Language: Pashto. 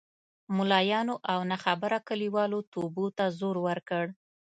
ملایانو او ناخبره کلیوالو توبو ته زور ورکړ.